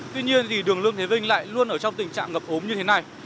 tuy nhiên thì đường lương thế vinh lại luôn ở trong tình trạng ngập ống như thế này